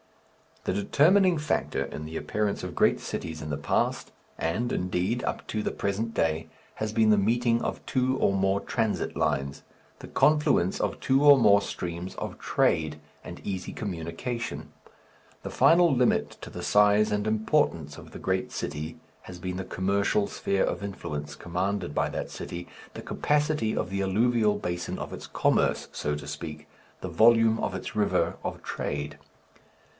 The determining factor in the appearance of great cities in the past, and, indeed, up to the present day, has been the meeting of two or more transit lines, the confluence of two or more streams of trade, and easy communication. The final limit to the size and importance of the great city has been the commercial "sphere of influence" commanded by that city, the capacity of the alluvial basin of its commerce, so to speak, the volume of its river of trade.